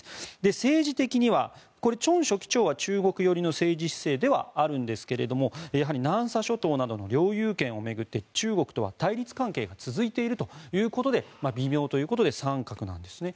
政治的には、チョン書記長は中国寄りの政治姿勢ではあるんですがやはり南沙諸島などの領有権を巡って中国とは対立関係が続いているということで微妙ということで三角なんですね。